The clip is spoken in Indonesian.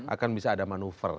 akan bisa ada manuver